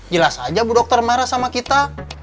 jelas aja bu dokter marah sama kita